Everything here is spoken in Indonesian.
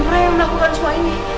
roy yang melakukan semua ini